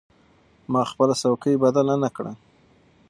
ما خپله څوکۍ بدله نه کړه.